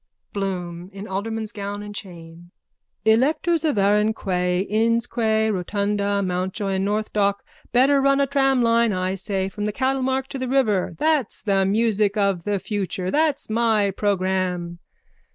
BLOOM: (In alderman's gown and chain.) Electors of Arran Quay, Inns Quay, Rotunda, Mountjoy and North Dock, better run a tramline, I say, from the cattlemarket to the river. That's the music of the future. That's my programme.